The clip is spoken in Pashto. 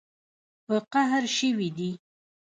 په قهر شوي دي